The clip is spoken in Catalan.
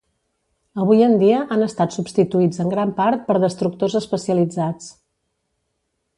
Avui en dia han estat substituïts en gran part per destructors especialitzats.